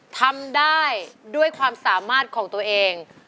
ทำได้ด้วยความสามารถของตัวเอง